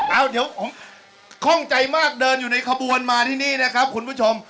เอ้าเดี๋ยวผมข้องใจมากเดินอยู่ในขบวนมาที่นี่นะครับคุณผู้ชม